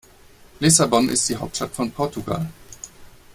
Lissabon ist die Hauptstadt von Portugal.